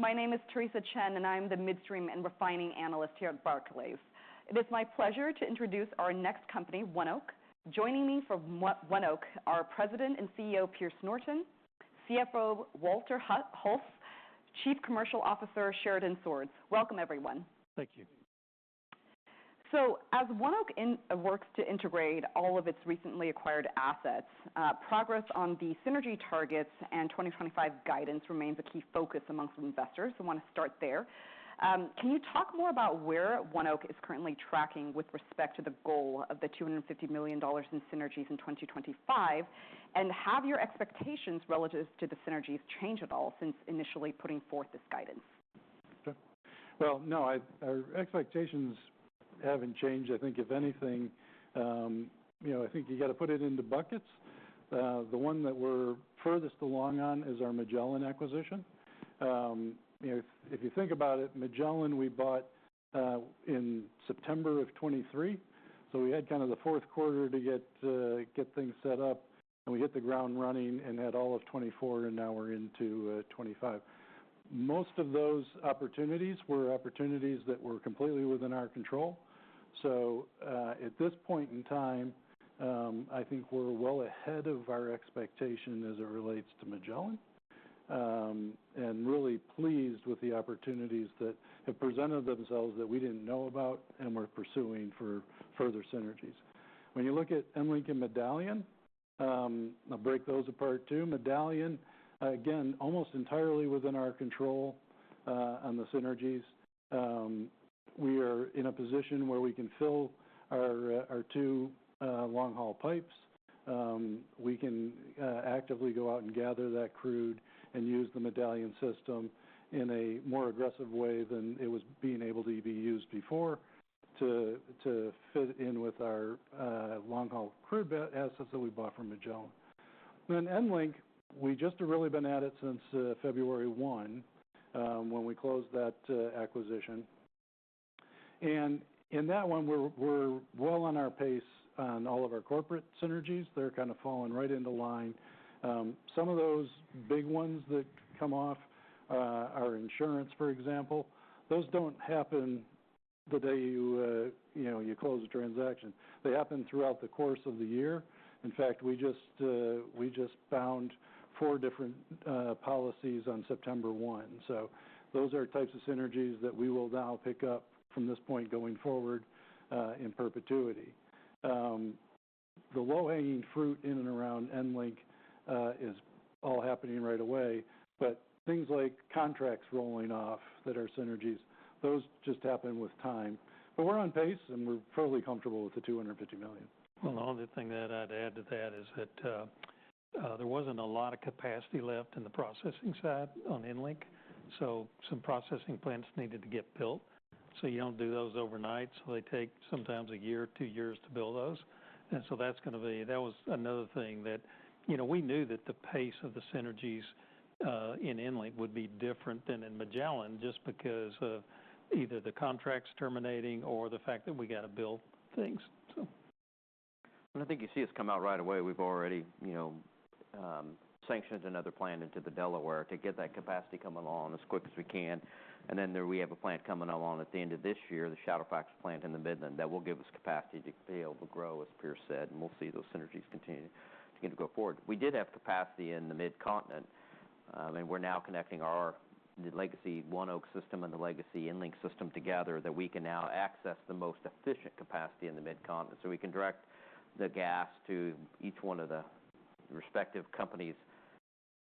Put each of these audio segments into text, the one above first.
My name is Theresa Chen, and I'm the Midstream and Refining Analyst here at Barclays. It is my pleasure to introduce our next company, ONEOK. Joining me from ONEOK are President and CEO Pierce Norton; CFO Walter Hulse; Chief Commercial Officer Sheridan Swords. Welcome, everyone. Thank you. As ONEOK works to integrate all of its recently acquired assets, progress on the synergy targets and 2025 guidance remains a key focus among investors. I wanna start there. Can you talk more about where ONEOK is currently tracking with respect to the goal of $250 million in synergies in 2025? And have your expectations relative to the synergies changed at all since initially putting forth this guidance? Okay. Well, no, our expectations haven't changed. I think if anything, you know, I think you gotta put it into buckets. The one that we're furthest along on is our Magellan acquisition. You know, if you think about it, Magellan, we bought in September of 2023, so we had kind of the fourth quarter to get things set up, and we hit the ground running and had all of 2024, and now we're into 2025. Most of those opportunities were opportunities that were completely within our control. So, at this point in time, I think we're well ahead of our expectation as it relates to Magellan, and really pleased with the opportunities that have presented themselves that we didn't know about and we're pursuing for further synergies. When you look at EnLink and Medallion, I'll break those apart, too. Medallion, again, almost entirely within our control, on the synergies. We are in a position where we can fill our two long-haul pipes. We can actively go out and gather that crude and use the Medallion system in a more aggressive way than it was being able to be used before, to fit in with our long-haul crude backhaul assets that we bought from Magellan. Then EnLink, we just have really been at it since February one, when we closed that acquisition. And in that one, we're well on our pace on all of our corporate synergies. They're kind of falling right into line. Some of those big ones that come off are insurance, for example. Those don't happen the day you, you know, you close a transaction. They happen throughout the course of the year. In fact, we just found four different policies on September one. So those are types of synergies that we will now pick up from this point going forward, in perpetuity. The low-hanging fruit in and around EnLink is all happening right away, but things like contracts rolling off that are synergies, those just happen with time. But we're on pace, and we're totally comfortable with the $250 million. The only thing that I'd add to that is that there wasn't a lot of capacity left in the processing side on EnLink, so some processing plants needed to get built. So you don't do those overnight, so they take sometimes a year or two years to build those. And so that's gonna be... That was another thing that, you know, we knew that the pace of the synergies in EnLink would be different than in Magellan just because of either the contracts terminating or the fact that we got to build things, so. I think you see us come out right away. We've already, you know, sanctioned another plant into the Delaware Basin to get that capacity coming along as quick as we can. There, we have a plant coming along at the end of this year, the Shadowfax plant in the Midland Basin, that will give us capacity to be able to grow, as Pierce said, and we'll see those synergies continuing to go forward. We did have capacity in the Mid-Continent, and we're now connecting our legacy ONEOK system and the legacy EnLink system together, that we can now access the most efficient capacity in the Mid-Continent. We can direct the gas to each one of the respective companies'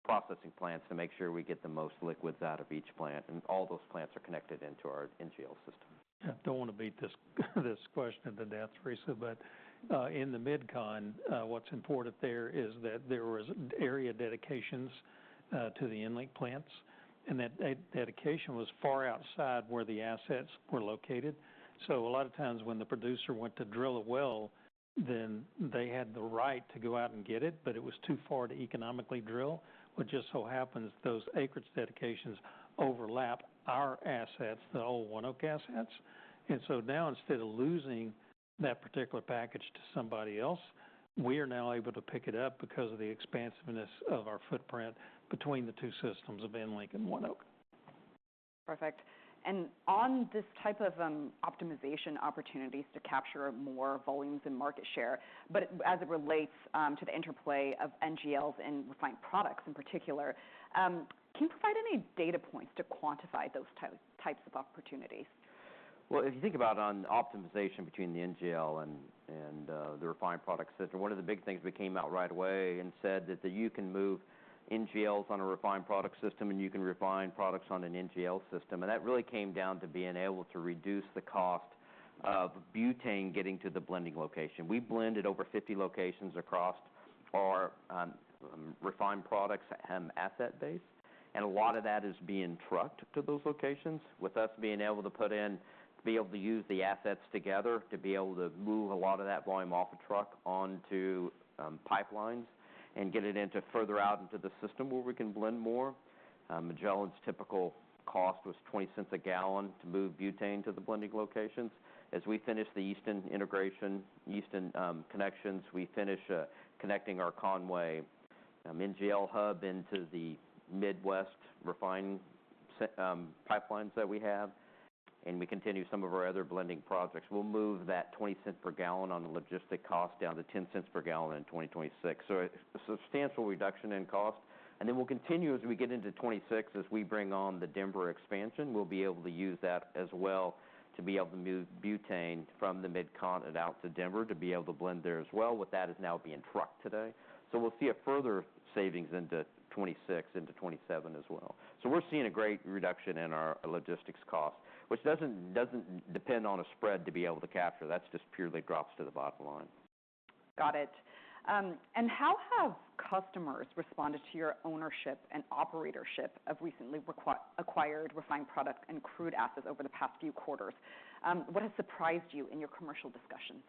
processing plants to make sure we get the most liquids out of each plant, and all those plants are connected into our NGL system. Yeah, don't wanna beat this question to death, Theresa, but in the MidCon, what's important there is that there was area dedications to the EnLink plants, and that dedication was far outside where the assets were located. So a lot of times, when the producer went to drill a well, then they had the right to go out and get it, but it was too far to economically drill. What just so happens, those acreage dedications overlap our assets, the old ONEOK assets, and so now, instead of losing that particular package to somebody else, we are now able to pick it up because of the expansiveness of our footprint between the two systems of EnLink and ONEOK. Perfect. And on this type of optimization opportunities to capture more volumes and market share, but as it relates to the interplay of NGLs and refined products in particular, can you provide any data points to quantify those types of opportunities? If you think about the optimization between the NGL and the refined product system, one of the big things we came out right away and said that you can move NGLs on a refined product system, and you can refine products on an NGL system. And that really came down to being able to reduce the cost of butane getting to the blending location. We blended over 50 locations across our refined products and asset base, and a lot of that is being trucked to those locations, with us being able to use the assets together, to be able to move a lot of that volume off a truck onto pipelines and get it into further out into the system where we can blend more. Magellan's typical cost was $0.20 per gallon to move butane to the blending locations. As we finish the Easton integration, Easton connections, connecting our Conway NGL Hub into the Midwest refining centers, pipelines that we have, and we continue some of our other blending projects. We'll move that twenty cent per gallon on the logistic cost down to $0.10 per gallon in 2026. So a substantial reduction in cost, and then we'll continue as we get into 2026. As we bring on the Denver expansion, we'll be able to use that as well to be able to move butane from the Mid-Continent out to Denver to be able to blend there as well, what that is now being trucked today. So we'll see a further savings into 2026, into 2027 as well. We're seeing a great reduction in our logistics cost, which doesn't depend on a spread to be able to capture. That's just purely drops to the bottom line. Got it. And how have customers responded to your ownership and operatorship of recently acquired refined products and crude assets over the past few quarters? What has surprised you in your commercial discussions?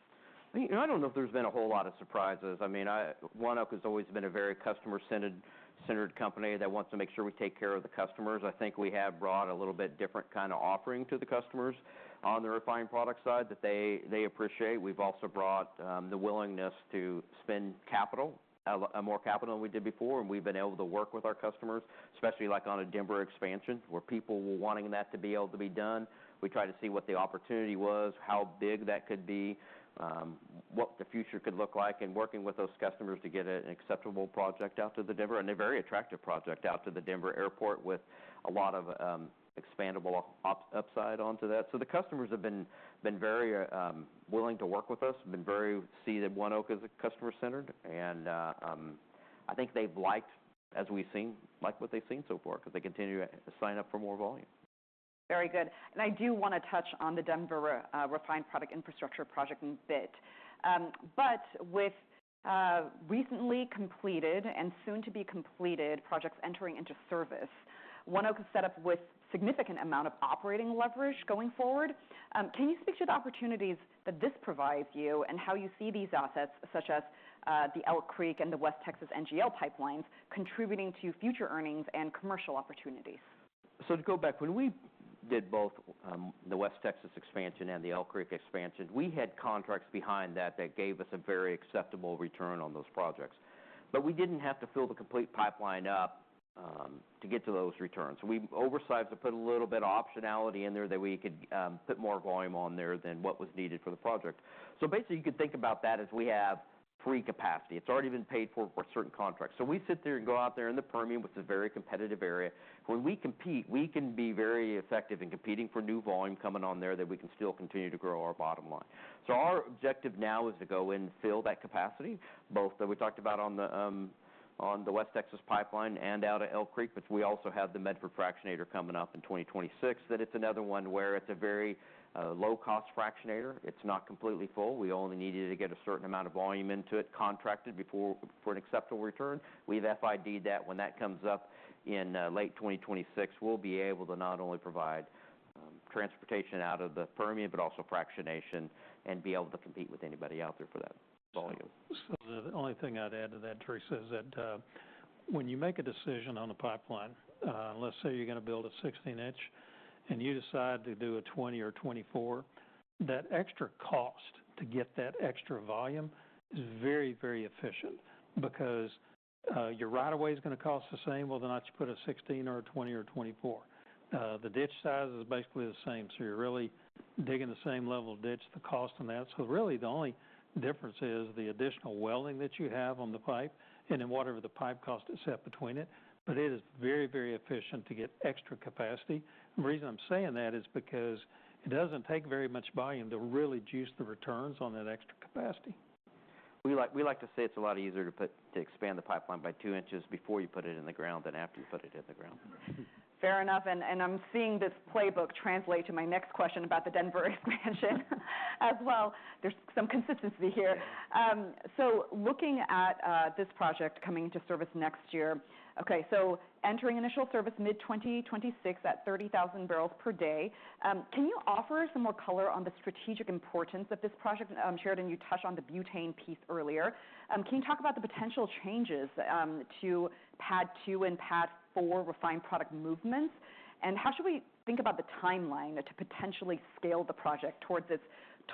I mean, I don't know if there's been a whole lot of surprises. I mean, ONEOK has always been a very customer-centered company that wants to make sure we take care of the customers. I think we have brought a little bit different kind of offering to the customers on the refined product side that they appreciate. We've also brought the willingness to spend capital, more capital than we did before, and we've been able to work with our customers, especially like on a Denver expansion, where people were wanting that to be able to be done. We tried to see what the opportunity was, how big that could be, what the future could look like, and working with those customers to get an acceptable project out to the Denver, and a very attractive project out to the Denver Airport with a lot of expandable upside onto that. So the customers have been very willing to work with us, seen that ONEOK is customer-centered, and I think they've liked what they've seen so far because they continue to sign up for more volume. Very good. And I do wanna touch on the Denver refined product infrastructure project in a bit. But with recently completed and soon-to-be-completed projects entering into service, ONEOK is set up with significant amount of operating leverage going forward. Can you speak to the opportunities that this provides you and how you see these assets, such as the Elk Creek and the West Texas NGL pipelines, contributing to future earnings and commercial opportunities? So to go back, when we did both, the West Texas expansion and the Elk Creek expansion, we had contracts behind that that gave us a very acceptable return on those projects. But we didn't have to fill the complete pipeline up, to get to those returns. So we oversized to put a little bit of optionality in there that we could, put more volume on there than what was needed for the project. So basically, you could think about that as we have pre-capacity. It's already been paid for, for certain contracts. So we sit there and go out there in the Permian, which is a very competitive area. When we compete, we can be very effective in competing for new volume coming on there that we can still continue to grow our bottom line. So our objective now is to go in and fill that capacity, both that we talked about on the West Texas pipeline and out of Elk Creek, but we also have the Medford Fractionator coming up in 2026. That it's another one where it's a very low-cost fractionator. It's not completely full. We only needed to get a certain amount of volume into it, contracted before, for an acceptable return. We've FID'd that. When that comes up in late 2026, we'll be able to not only provide transportation out of the Permian but also fractionation and be able to compete with anybody out there for that volume. So the only thing I'd add to that, Theresa, is that, when you make a decision on a pipeline, let's say you're gonna build a sixteen-inch, and you decide to do a twenty or twenty-four, that extra cost to get that extra volume is very, very efficient because, your right of way is gonna cost the same whether or not you put a sixteen or a twenty or twenty-four. The ditch size is basically the same, so you're really digging the same level of ditch, the cost on that. So really, the only difference is the additional welding that you have on the pipe, and then whatever the pipe cost is set between it, but it is very, very efficient to get extra capacity. The reason I'm saying that is because it doesn't take very much volume to really juice the returns on that extra capacity. We like, we like to say it's a lot easier to expand the pipeline by two inches before you put it in the ground than after you put it in the ground. Fair enough, and I'm seeing this playbook translate to my next question about the Denver expansion as well. There's some consistency here. So looking at this project coming into service next year, okay, so entering initial service mid-2026 at 30,000 barrels per day, can you offer some more color on the strategic importance of this project? Sheridan, you touched on the butane piece earlier. Can you talk about the potential changes to PADD 2 and PADD 4 refined product movements? And how should we think about the timeline to potentially scale the project towards this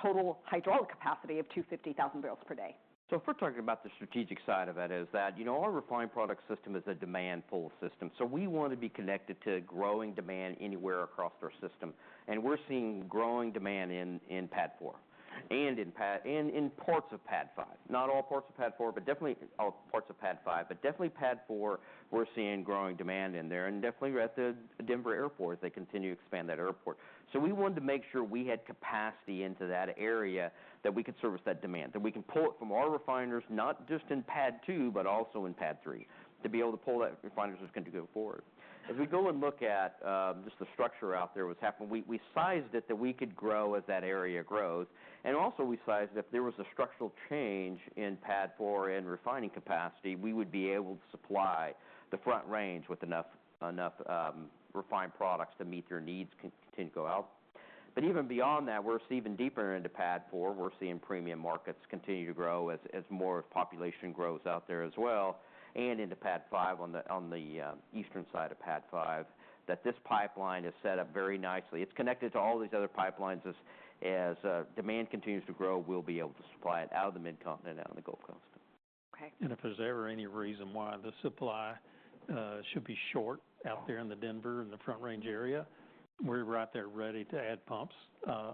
total hydraulic capacity of 250,000 barrels per day? So if we're talking about the strategic side of it, that is, you know, our refined product system is a demand pull system, so we want to be connected to growing demand anywhere across our system. And we're seeing growing demand in PADD 4 and in parts of PADD 5. Not all parts of PADD 4, but definitely all parts of PADD 5, but definitely PADD 4, we're seeing growing demand in there, and definitely at the Denver airport, they continue to expand that airport. So we wanted to make sure we had capacity into that area, that we could service that demand, that we can pull it from our refiners, not just in PADD 2, but also in PADD 3, to be able to pull that refiners that's going to go forward. As we go and look at just the structure out there and what's happening, we sized it that we could grow as that area grows, and also we sized if there was a structural change in PADD Four and refining capacity, we would be able to supply the Front Range with enough refined products to meet their needs continue to go out, but even beyond that, we're seeing deeper into PADD Four. We're seeing premium markets continue to grow as more population grows out there as well, and into PADD 5 on the eastern side of PADD 5 that this pipeline is set up very nicely. It's connected to all these other pipelines. As demand continues to grow, we'll be able to supply it out of the Mid-Continent and out of the Gulf Coast.... And if there's ever any reason why the supply should be short out there in the Denver and the Front Range area, we're right there ready to add pumps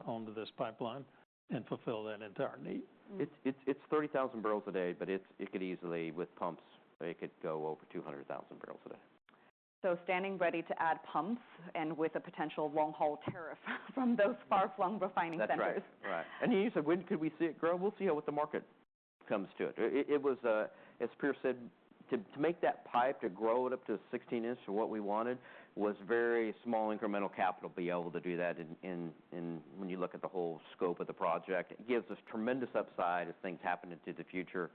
onto this pipeline and fulfill that entire need. It's thirty thousand barrels a day, but it could easily, with pumps, go over two hundred thousand barrels a day. Standing ready to add pumps, and with a potential long-haul tariff from those far-flung refining centers. That's right. Right. And you said, when could we see it grow? We'll see how what the market comes to it. It was, as Pierce said, to make that pipe, to grow it up to 16 inches to what we wanted, was very small incremental capital to be able to do that in. When you look at the whole scope of the project, it gives us tremendous upside as things happen into the future.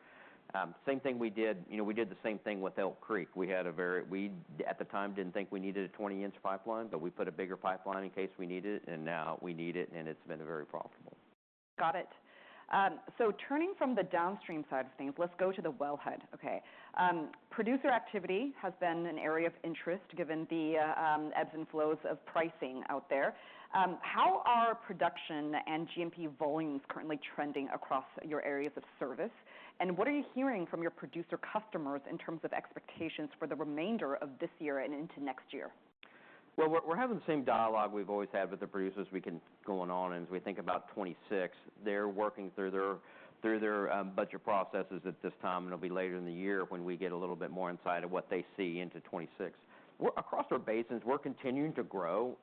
Same thing we did, you know, we did the same thing with Elk Creek. We had, at the time, didn't think we needed a 20-inch pipeline, but we put a bigger pipeline in case we need it, and now we need it, and it's been very profitable. Got it. So turning from the downstream side of things, let's go to the wellhead. Okay, producer activity has been an area of interest, given the ebbs and flows of pricing out there. How are production and G&P volumes currently trending across your areas of service? And what are you hearing from your producer customers in terms of expectations for the remainder of this year and into next year? We're having the same dialogue we've always had with the producers. We're going on, and as we think about 2026, they're working through their budget processes at this time. It'll be later in the year when we get a little bit more insight of what they see into 2026. We're across our basins continuing to grow.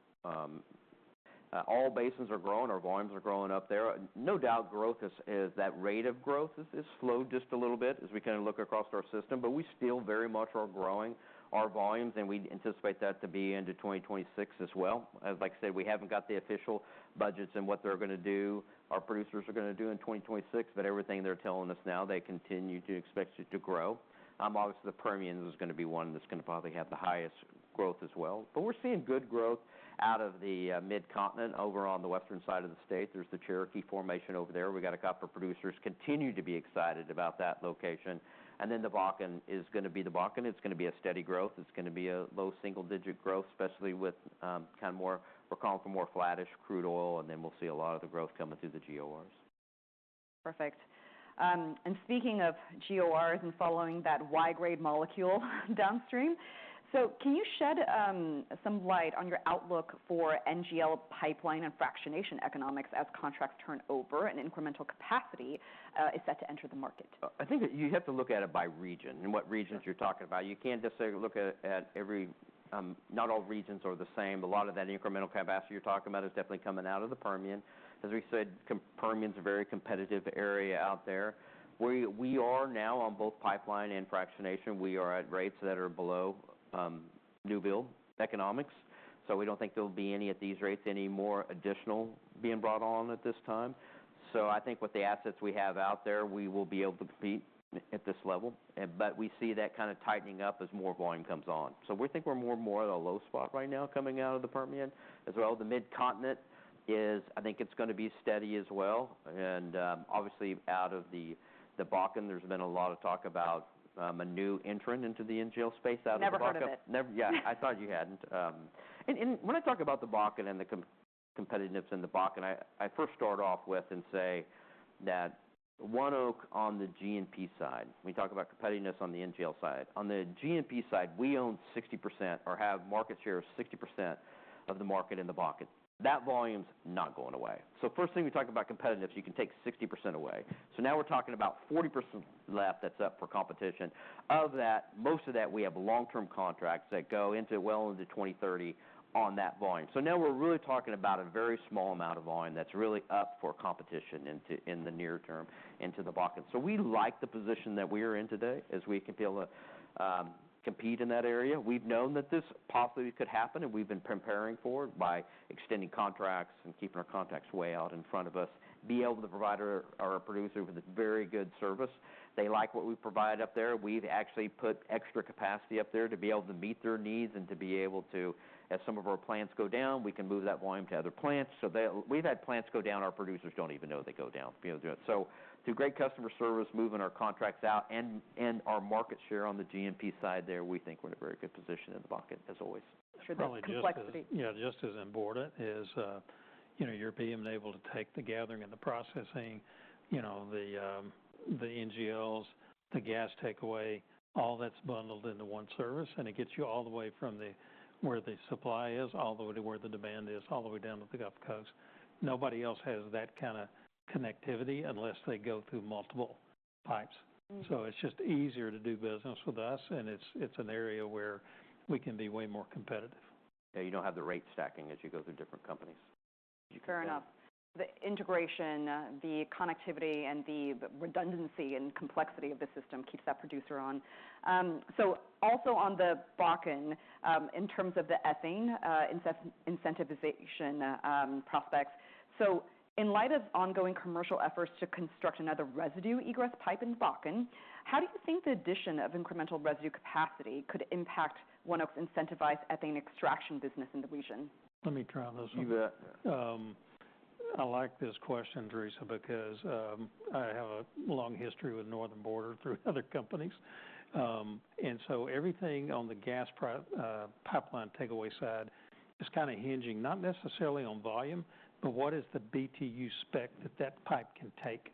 All basins are growing. Our volumes are growing up there. No doubt, growth is. That rate of growth is slowed just a little bit as we kind of look across our system, but we still very much are growing our volumes, and we anticipate that to be into 2026 as well. As, like I said, we haven't got the official budgets and what they're gonna do, our producers are gonna do in 2026, but everything they're telling us now, they continue to expect it to grow. Obviously, the Permian is gonna be one that's gonna probably have the highest growth as well, but we're seeing good growth out of the Mid-Continent over on the western side of the state. There's the Cherokee Formation over there. We got a couple of producers continue to be excited about that location, and then the Bakken is gonna be the Bakken. It's gonna be a steady growth. It's gonna be a low single-digit growth, especially with kind of more. We're calling for more flattish crude oil, and then we'll see a lot of the growth coming through the GORs. Perfect. And speaking of GORs and following that wide-grade molecule downstream, so can you shed some light on your outlook for NGL pipeline and fractionation economics as contracts turn over and incremental capacity is set to enter the market? I think that you have to look at it by region and what regions you're talking about. You can't just look at every, not all regions are the same. A lot of that incremental capacity you're talking about is definitely coming out of the Permian. As we said, Permian's a very competitive area out there. We are now on both pipeline and fractionation. We are at rates that are below new build economics, so we don't think there'll be any at these rates, any more additional being brought on at this time. So I think with the assets we have out there, we will be able to compete at this level, but we see that kind of tightening up as more volume comes on. We think we're more and more at a low spot right now coming out of the Permian, as well as the Mid-Continent is. I think it's gonna be steady as well. And, obviously, out of the Bakken, there's been a lot of talk about a new entrant into the NGL space out of the Bakken. Never heard of it. Never. Yeah, I thought you hadn't. And when I talk about the Bakken and the competitiveness in the Bakken, I first start off with and say that ONEOK on the GNP side, we talk about competitiveness on the NGL side. On the GNP side, we own 60% or have market share of 60% of the market in the Bakken. That volume's not going away. So first thing, we talk about competitiveness, you can take 60% away. So now we're talking about 40% left that's up for competition. Of that, most of that, we have long-term contracts that go into well into 2030 on that volume. So now we're really talking about a very small amount of volume that's really up for competition into, in the near term, into the Bakken. So we like the position that we're in today, as we can be able to compete in that area. We've known that this possibly could happen, and we've been preparing for it by extending contracts and keeping our contracts way out in front of us, be able to provide our producer with a very good service. They like what we provide up there. We've actually put extra capacity up there to be able to meet their needs and to be able to, as some of our plants go down, we can move that volume to other plants. We've had plants go down, our producers don't even know they go down, be able to do it. Through great customer service, moving our contracts out and our market share on the GNP side there, we think we're in a very good position in the Bakken, as always. Sure, that complexity- Yeah, just as important is, you know, you're being able to take the gathering and the processing, you know, the NGLs, the gas takeaway, all that's bundled into one service, and it gets you all the way from where the supply is, all the way to where the demand is, all the way down to the Gulf Coast. Nobody else has that kind of connectivity unless they go through multiple pipes. Mm-hmm. So it's just easier to do business with us, and it's, it's an area where we can be way more competitive. Yeah, you don't have the rate stacking as you go through different companies. Fair enough. The integration, the connectivity, and the redundancy and complexity of the system keeps that producer on. So also on the Bakken, in terms of the ethane, incentivization prospects, so in light of ongoing commercial efforts to construct another residue egress pipe in Bakken, how do you think the addition of incremental residue capacity could impact ONEOK's incentivized ethane extraction business in the region? Let me try this one. You bet. I like this question, Theresa, because I have a long history with Northern Border Pipeline through other companies. And so everything on the gas pipeline takeaway side is kind of hinging, not necessarily on volume, but what is the BTU spec that that pipe can take?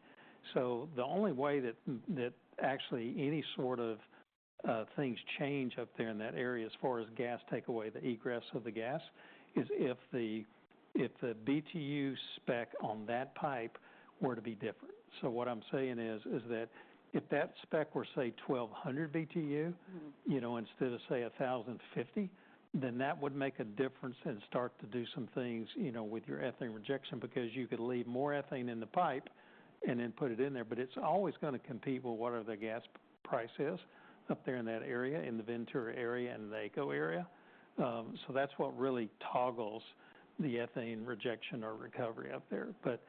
So the only way that actually any sort of things change up there in that area as far as gas takeaway, the egress of the gas, is if the BTU spec on that pipe were to be different. So what I'm saying is that if that spec were, say, twelve hundred BTU- Mm-hmm. you know, instead of say, a thousand and fifty, then that would make a difference and start to do some things, you know, with your ethane rejection, because you could leave more ethane in the pipe and then put it in there. But it's always gonna compete with what are the gas prices up there in that area, in the Ventura area and the LACO area. So that's what really toggles the ethane rejection or recovery up there. But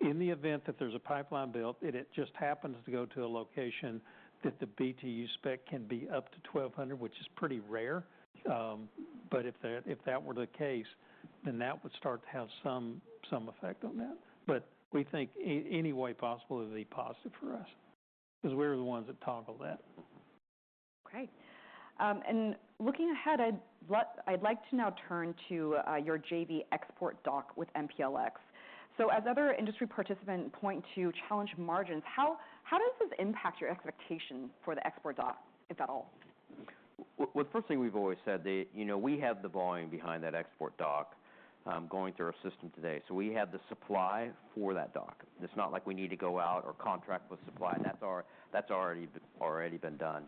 in the event that there's a pipeline built, and it just happens to go to a location that the BTU spec can be up to twelve hundred, which is pretty rare, but if that were the case, then that would start to have some effect on that. But we think any way possible, it would be positive for us 'cause we're the ones that toggle that. Okay, and looking ahead, I'd like to now turn to your JV export dock with MPLX, so as other industry participants point to challenged margins, how does this impact your expectation for the export dock, if at all? The first thing we've always said that, you know, we have the volume behind that export dock going through our system today. So we have the supply for that dock. It's not like we need to go out or contract with supply. That's already been done.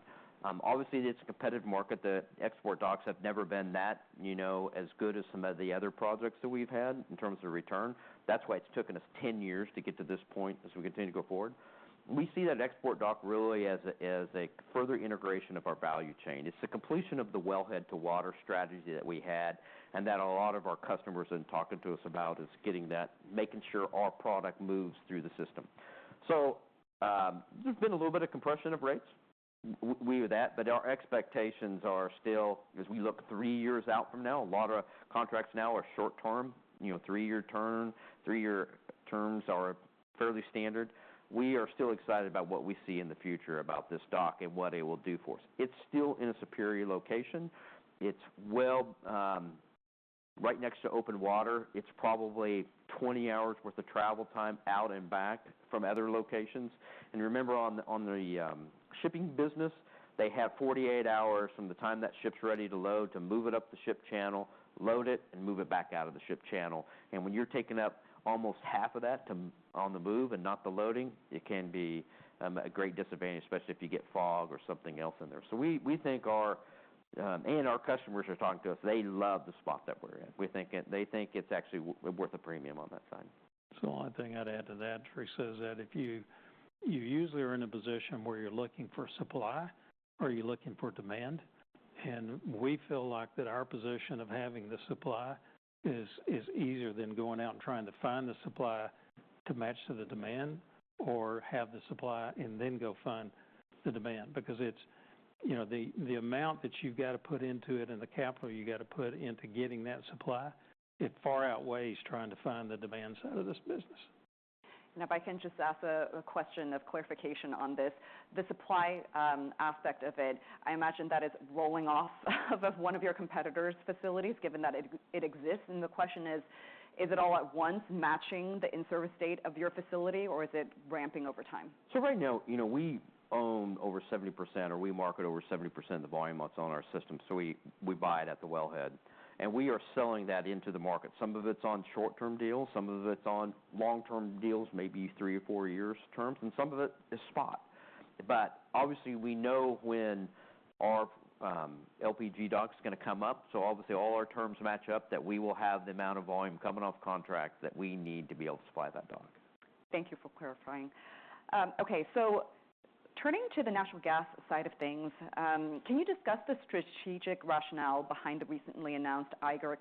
Obviously, it's a competitive market. The export docks have never been that, you know, as good as some of the other projects that we've had in terms of return. That's why it's taken us ten years to get to this point as we continue to go forward. We see that export dock really as a further integration of our value chain. It's the completion of the Wellhead to Water strategy that we had, and that a lot of our customers have been talking to us about, is getting that... Making sure our product moves through the system. There's been a little bit of compression of rates. We went with that, but our expectations are still, as we look three years out from now, a lot of contracts now are short term, you know, three-year term. Three-year terms are fairly standard. We are still excited about what we see in the future about this dock and what it will do for us. It's still in a superior location. It's well right next to open water. It's probably 20 hours worth of travel time out and back from other locations. And remember, on the shipping business, they have 48 hours from the time that ship's ready to load, to move it up the ship channel, load it, and move it back out of the ship channel. And when you're taking up almost half of that on the move and not the loading, it can be a great disadvantage, especially if you get fog or something else in there. So we think our and our customers are talking to us. They love the spot that we're in. We think they think it's actually worth a premium on that side. So the only thing I'd add to that, Theresa, is that if you usually are in a position where you're looking for supply or you're looking for demand. And we feel like that our position of having the supply is easier than going out and trying to find the supply to match to the demand, or have the supply and then go find the demand. Because it's, you know, the amount that you've got to put into it and the capital you've got to put into getting that supply; it far outweighs trying to find the demand side of this business. If I can just ask a question of clarification on this. The supply aspect of it, I imagine that is rolling off of one of your competitors' facilities, given that it exists. The question is: Is it all at once matching the in-service date of your facility, or is it ramping over time? So right now, you know, we own over 70%, or we market over 70% of the volume that's on our system, so we buy it at the wellhead, and we are selling that into the market. Some of it's on short-term deals, some of it's on long-term deals, maybe three or four years terms, and some of it is spot, but obviously, we know when our LPG dock is gonna come up, so obviously, all our terms match up, that we will have the amount of volume coming off contracts that we need to be able to supply that dock. Thank you for clarifying. Okay, so turning to the natural gas side of things, can you discuss the strategic rationale behind the recently announced Blackcomb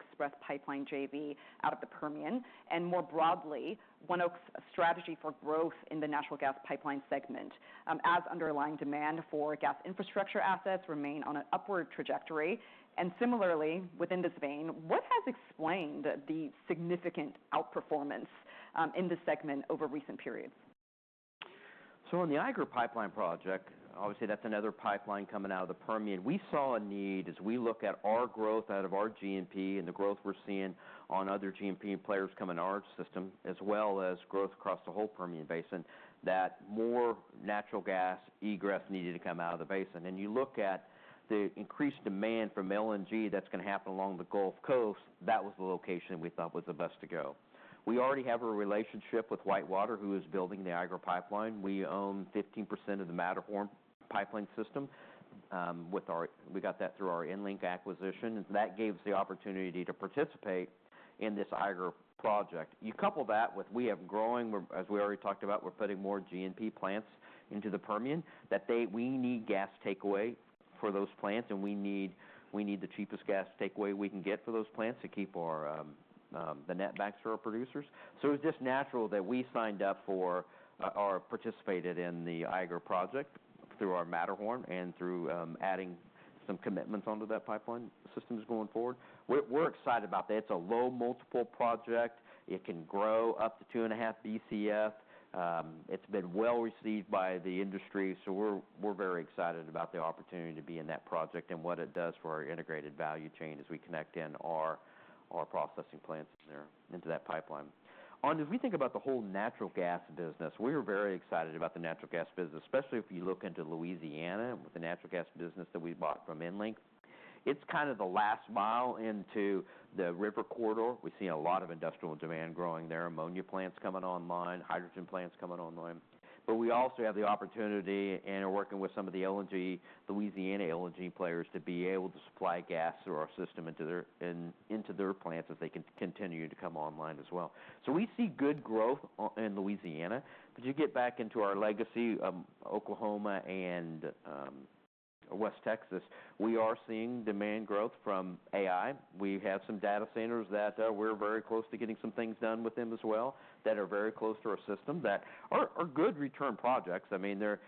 Pipeline JV out of the Permian? And more broadly, ONEOK's strategy for growth in the natural gas pipeline segment, as underlying demand for gas infrastructure assets remain on an upward trajectory. And similarly, within this vein, what has explained the significant outperformance, in this segment over recent periods? On the Blackcomb Pipeline project, obviously that's another pipeline coming out of the Permian. We saw a need as we look at our growth out of our GNP and the growth we're seeing on other GNP players coming into our system, as well as growth across the whole Permian Basin, that more natural gas egress needed to come out of the basin, and you look at the increased demand from LNG that's gonna happen along the Gulf Coast, that was the location we thought was the best to go. We already have a relationship with WhiteWater, who is building the Blackcomb pipeline. We own 15% of the Matterhorn pipeline system. We got that through our EnLink acquisition, and that gave us the opportunity to participate in this Blackcomb project. You couple that with we have growing, we're, as we already talked about, we're putting more GNP plants into the Permian, that we need gas takeaway for those plants, and we need, we need the cheapest gas takeaway we can get for those plants to keep our, the netbacks for our producers. So it's just natural that we signed up for, or participated in the Blackcomb project through our Matterhorn and through, some commitments onto that pipeline systems going forward. We're, we're excited about that. It's a low multiple project. It can grow up to two and a half BCF. It's been well received by the industry, so we're, we're very excited about the opportunity to be in that project and what it does for our integrated value chain as we connect in our, our processing plants in there, into that pipeline. As we think about the whole natural gas business, we are very excited about the natural gas business, especially if you look into Louisiana, with the natural gas business that we bought from EnLink. It's kind of the last mile into the river corridor. We've seen a lot of industrial demand growing there, ammonia plants coming online, hydrogen plants coming online. But we also have the opportunity, and are working with some of the LNG, Louisiana LNG players, to be able to supply gas through our system into their plants as they continue to come online as well. So we see good growth in Louisiana. As you get back into our legacy, Oklahoma and West Texas, we are seeing demand growth from AI. We have some data centers that we're very close to getting some things done with them as well, that are very close to our system, that are good return projects. I mean, they're.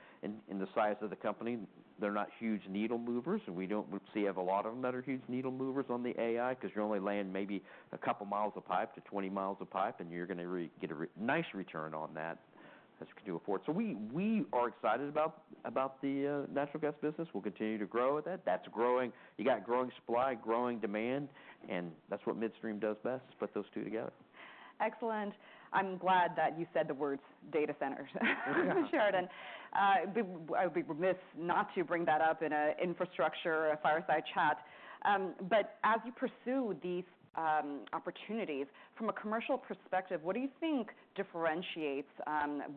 In the size of the company, they're not huge needle movers, and we don't see we have a lot of them that are huge needle movers on the AI, 'cause you're only laying maybe a couple miles of pipe to 20 miles of pipe, and you're gonna get a really nice return on that, as you can afford. So we are excited about the natural gas business. We'll continue to grow with it. That's growing. You got growing supply, growing demand, and that's what midstream does best, put those two together. Excellent. I'm glad that you said the words data centers, Sheridan. I would be remiss not to bring that up in an infrastructure fireside chat, but as you pursue these opportunities, from a commercial perspective, what do you think differentiates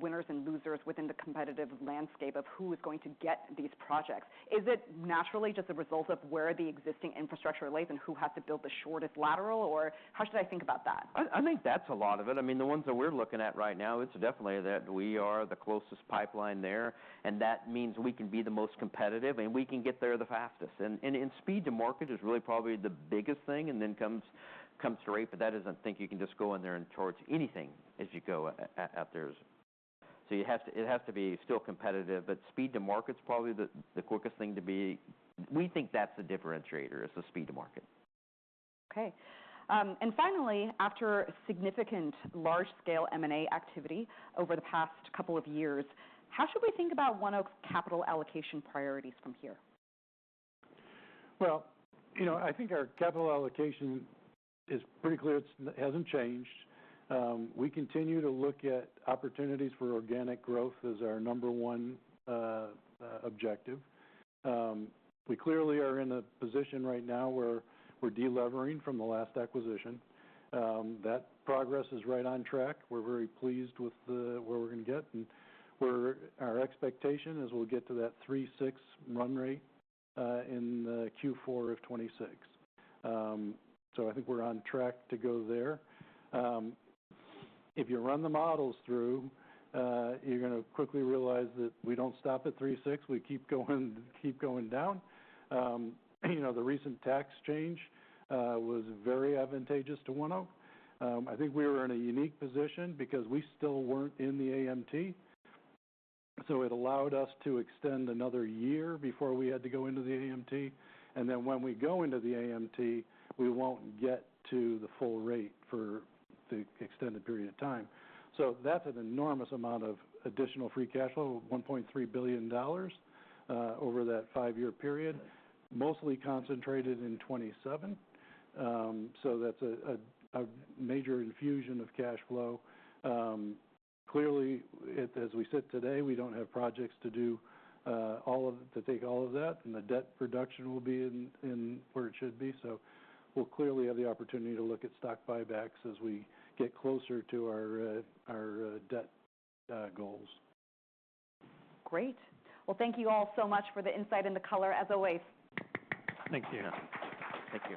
winners and losers within the competitive landscape of who is going to get these projects? Is it naturally just a result of where the existing infrastructure lays, and who has to build the shortest lateral, or how should I think about that? I think that's a lot of it. I mean, the ones that we're looking at right now, it's definitely that we are the closest pipeline there, and that means we can be the most competitive, and we can get there the fastest, and speed to market is really probably the biggest thing, and then comes to rate, but that isn't think you can just go in there and torch anything as you go out there. So you have to, it has to be still competitive, but speed to market's probably the quickest thing to be. We think that's the differentiator, is the speed to market. Okay, and finally, after significant large-scale M&A activity over the past couple of years, how should we think about ONEOK's capital allocation priorities from here? You know, I think our capital allocation is pretty clear. It hasn't changed. We continue to look at opportunities for organic growth as our number one objective. We clearly are in a position right now where we're de-levering from the last acquisition. That progress is right on track. We're very pleased with where we're gonna get, and our expectation is we'll get to that 3.6 run rate in the Q4 of 2026. So I think we're on track to go there. If you run the models through, you're gonna quickly realize that we don't stop at 3.6, we keep going, keep going down. You know, the recent tax change was very advantageous to ONEOK. I think we were in a unique position because we still weren't in the AMT, so it allowed us to extend another year before we had to go into the AMT, and then when we go into the AMT, we won't get to the full rate for the extended period of time, so that's an enormous amount of additional free cash flow, $1.3 billion over that five-year period, mostly concentrated in 2027. So that's a major infusion of cash flow. Clearly, as we sit today, we don't have projects to do to take all of that, and the debt reduction will be in where it should be, so we'll clearly have the opportunity to look at stock buybacks as we get closer to our debt goals. Great. Well, thank you all so much for the insight and the color, as always. Thank you. Thank you.